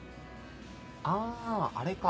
ああれか。